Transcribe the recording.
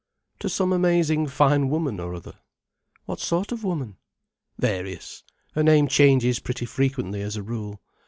"To some amazing fine woman or other." "What sort of woman?" "Various. Her name changes pretty frequently, as a rule.